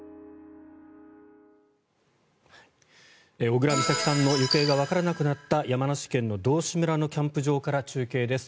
小倉美咲さんの行方がわからなくなった山梨県道志村のキャンプ場から中継です。